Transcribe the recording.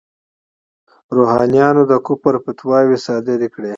روحانیونو د کفر فتواوې صادرې کړې.